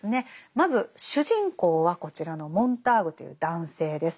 まず主人公はこちらのモンターグという男性です。